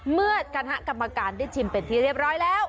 เมื่อคณะกรรมการได้ชิมเป็นที่เรียบร้อยแล้ว